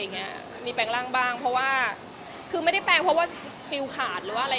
ไม่ได้แปลงเพราะว่าฟิวขาด